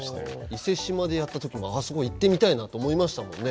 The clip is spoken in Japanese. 伊勢志摩でやった時もあそこ行ってみたいなと思いましたもんね。